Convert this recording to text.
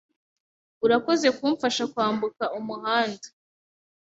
Urakoze kumfasha kwambuka umuhanda.